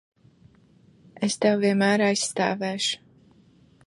Es Tevi vienmēr aizstāvēšu!